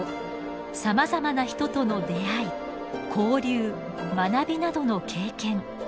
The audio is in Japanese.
さまざまな人との出会い交流学びなどの経験。